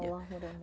ya allah yaudah